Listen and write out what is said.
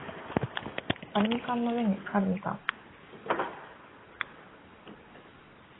アルミ缶の上にある蜜柑